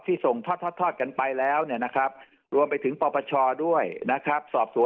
ที่ส่งทอดท้อยกันไปแล้วรวมไปถึงปรปชด้วยนะครับ